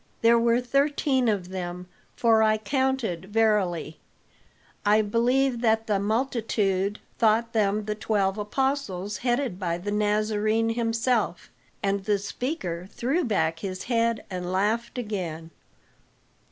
There were thirteen of them, for I counted; verily, I believe that the multitude thought them the twelve apostles headed by the Nazarene himself." And the speaker threw back his head and laughed again.